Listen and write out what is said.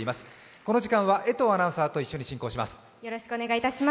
この時間は江藤アナウンサーと一緒に進行します。